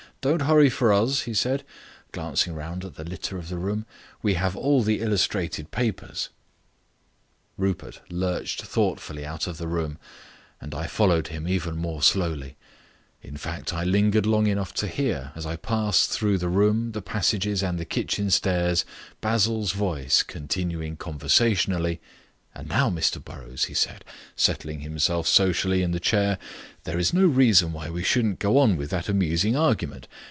"Don't hurry for us," he said, glancing round at the litter of the room, "we have all the illustrated papers." Rupert lurched thoughtfully out of the room, and I followed him even more slowly; in fact, I lingered long enough to hear, as I passed through the room, the passages and the kitchen stairs, Basil's voice continuing conversationally: "And now, Mr Burrows," he said, settling himself sociably in the chair, "there's no reason why we shouldn't go on with that amusing argument.